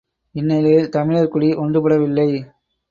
இந்நிலையில் தமிழர் குடி ஒன்றுபடவில்லை!